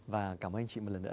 và cám ơn anh chị một lần nữa